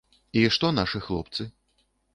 І што нашы хлопцы?